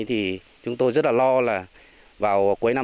thì chúng tôi rất là lo là vào cuối năm